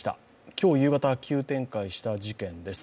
今日夕方、急展開した事件です。